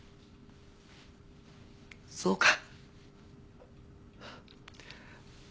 そうか。